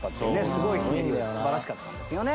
すごい素晴らしかったんですよね。